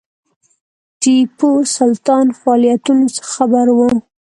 ټیپو سلطان فعالیتونو څخه خبر وو.